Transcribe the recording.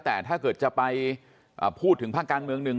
แต่ถ้าเกิดจะไปพูดถึงภาคการเมืองหนึ่ง